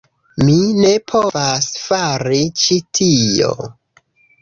Mi ne povas fari ĉi tion!